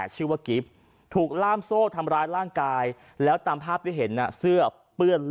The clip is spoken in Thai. เชื่อกี่ถูกล่ามโส้ทำร้ายร่างกายแล้วตามภาพที่เห็นเสื้อเปื้อนเลือด